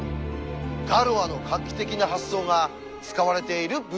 ガロアの画期的な発想が使われている部分なんです。